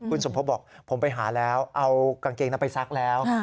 คุณสมภพบอกผมไปหาแล้วเอากางเกงนั้นไปซักแล้ว